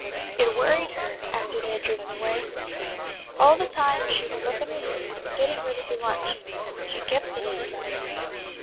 It worried her after they had driven away. All the time she was up in her room, getting ready for lunch, she kept thinking about it.